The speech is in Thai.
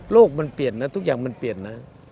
มันเปลี่ยนนะทุกอย่างมันเปลี่ยนนะ